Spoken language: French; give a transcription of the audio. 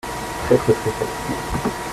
Très très très fatigué.